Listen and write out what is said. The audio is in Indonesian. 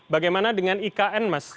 bagaimana dengan ikn mas